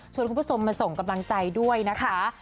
คุณผู้ชมมาส่งกำลังใจด้วยนะคะ